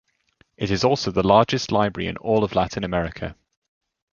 It is also the largest library in all of Latin America.